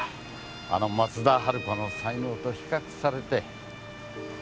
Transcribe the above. あの松田春子の才能と比較されて。